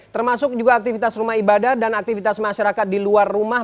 termasuk juga aktivitas rumah ibadah dan aktivitas masyarakat di luar rumah